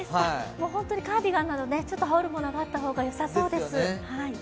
カーディガンなどちょっと羽織るものがあった方がよさそうです。